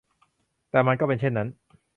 แต่มันก็เป็นเช่นนั้น